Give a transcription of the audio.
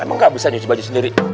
emang nggak bisa nyuci baju sendiri